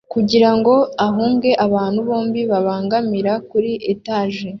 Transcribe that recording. kugira ngo ahunge abantu bombi babangamira kuri etage